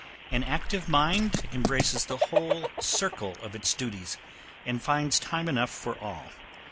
An active mind embraces the whole circle of its duties, and finds time enough for all.